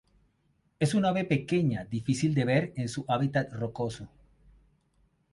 Es un ave pequeña difícil de ver en su hábitat rocoso.